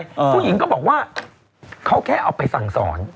ผู้หญิงก็บอกว่าเขาแค่เอาไปสั่งสอน